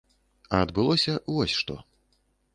А адбылося вось што.